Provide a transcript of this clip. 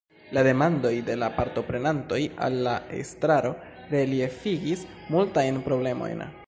La demandoj de la partoprenantoj al la estraro reliefigis multajn problemojn.